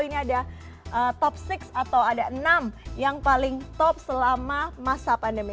ini ada top enam atau ada enam yang paling top selama masa pandemi